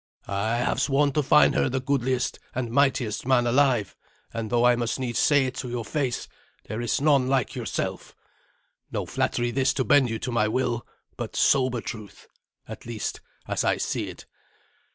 "I have sworn to find her the goodliest and mightiest man alive; and, though I must needs say it to your face, there is none like yourself. No flattery this to bend you to my will, but sober truth at least, as I see it."